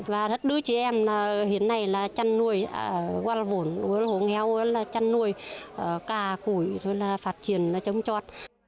và đứa chị em hiện nay là chăn nuôi hoa vốn hồ nghèo chăn nuôi cà củi phát triển chống chót